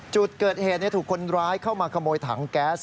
จุดเกิดเหตุถูกคนร้ายเข้ามาขโมยถังแก๊ส